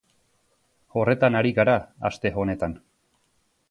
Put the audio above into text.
Horretan ari gara aste honetan.